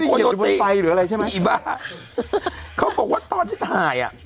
ไม่ได้เหยียบบนไตหรืออะไรใช่ไหมเขาบอกว่าตอนที่ถ่ายอ่ะ